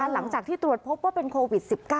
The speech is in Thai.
หลังจากที่ตรวจพบว่าเป็นโควิด๑๙